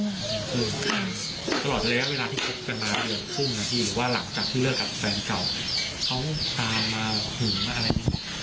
ตลอดจะได้แล้วเวลาที่คุกกันมาเดือนพรุ่งนาทีหรือว่าหลังจากที่เลิกกับแฟนเจ้าเขาตายมาหรือหรืออะไร